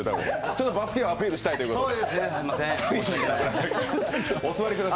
ちょっとバスケをアピールしたいということで。